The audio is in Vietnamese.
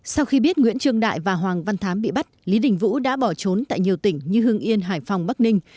sau khi biết nguyễn trương đại và hoàng văn thám bị bắt lý đình vũ đã bỏ trốn tại nhiều tỉnh như hương yên hải phòng bắc ninh